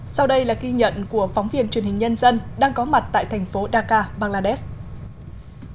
sau đây là ghi nhận của phóng viên truyền hình nhân dân đang có mặt tại thành phố dhaka bangladesh